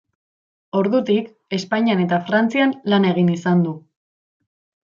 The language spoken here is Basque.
Ordutik Espainian eta Frantzian lan egin izan du.